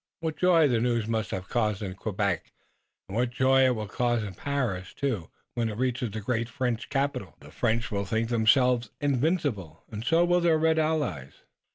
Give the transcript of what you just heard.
What joy the news must have caused in Quebec, and what joy it will cause in Paris, too, when it reaches the great French capital! The French will think themselves invincible and so will their red allies."